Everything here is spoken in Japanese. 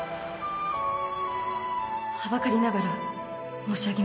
はばかりながら申し上げます